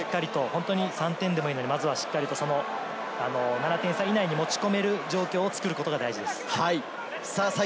３点でもいいので、しっかりと７点差以内に持ち込める状況を作ることが大事です。